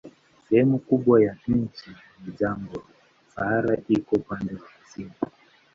Sehemu kubwa ya nchi ni jangwa, Sahara iko upande wa kusini.